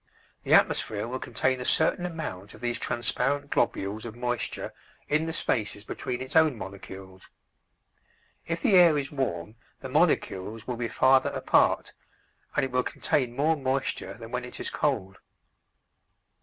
The atmosphere will contain a certain amount of these transparent globules of moisture in the spaces between its own molecules. If the air is warm the molecules will be farther apart and it will contain more moisture than when it is cold.